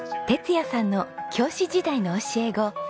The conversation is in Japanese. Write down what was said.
哲也さんの教師時代の教え子